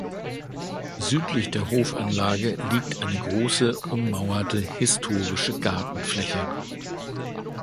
Südlich der Hofanlage liegt eine große ummauerte historische Gartenfläche.